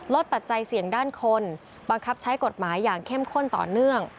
ปัจจัยเสี่ยงด้านคนบังคับใช้กฎหมายอย่างเข้มข้นต่อเนื่อง